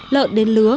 lợn đến lứa